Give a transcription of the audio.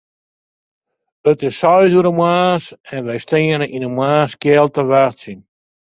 It is seis oere moarns en wy steane yn 'e moarnskjeld te wachtsjen.